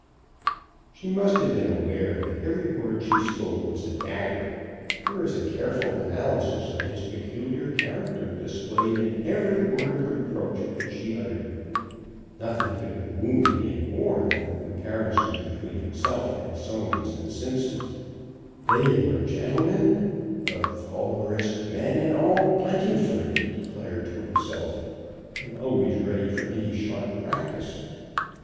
She must have been aware that every word she spoke was a dagger. There was a careful analysis of his peculiar character displayed in every word of reproach which she uttered. Nothing could have wounded him more than the comparison between himself and Soames & Simpson. They were gentlemen! "The vulgarest men in all Buntingford!" he declared to himself, and always ready for any sharp practice.